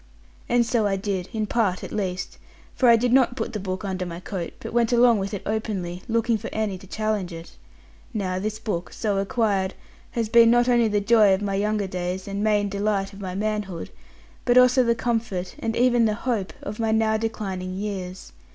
And so I did: in part at least. For I did not put the book under my coat, but went along with it openly, looking for any to challenge it. Now this book, so acquired, has been not only the joy of my younger days, and main delight of my manhood, but also the comfort, and even the hope, of my now declining years.